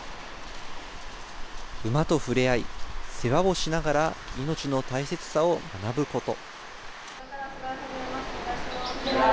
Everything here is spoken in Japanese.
馬と触れ合い、世話をしながら、命の大切さを学ぶこと。